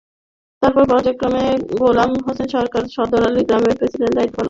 তারপর পর্যায়ক্রমে গোলাম হোসেন সরকার, সাদত আলী গ্রাম প্রেসিডেন্ট এর দায়িত্ব পালন করেন।